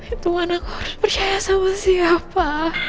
itu mana aku harus percaya sama siapa